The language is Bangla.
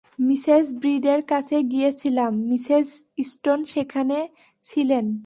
মিসেস ব্রীডের কাছে গিয়েছিলাম, মিসেস স্টোন সেখানে ছিলেন।